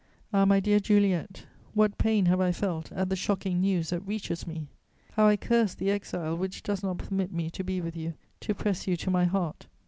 _ "Ah, my dear Juliet, what pain have I felt at the shocking news that reaches me! How I curse the exile which does not permit me to be with you, to press you to my heart!